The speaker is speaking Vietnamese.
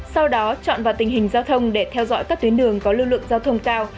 sau đó chọn vào tình hình giao thông để theo dõi các tuyến đường có lưu lượng giao thông cao